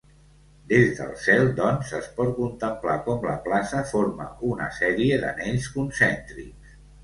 Des del cel, doncs, es pot contemplar com la plaça forma una sèrie d'anells concèntrics.